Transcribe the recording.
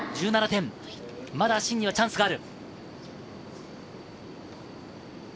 まだシンにはチャンスがある。